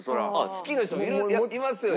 好きな人もいますよ山内。